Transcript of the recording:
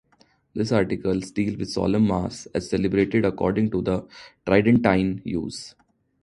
This article deals with Solemn Mass as celebrated according to the Tridentine use.